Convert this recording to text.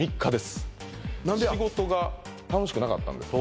仕事が楽しくなかったんですね